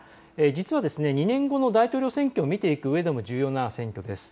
実は２年後の大統領選挙を見ていくうえでも重要な選挙です。